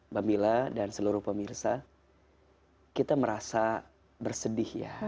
bambila dan seluruh pemirsa kita merasa bersedih ya